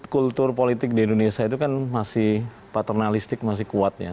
kultur politik di indonesia itu kan masih paternalistik masih kuat ya